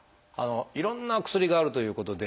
いろんな薬があるということで。